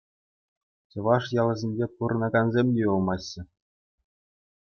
Чӑваш ялӗсенче пурӑнакансем те юлмаҫҫӗ.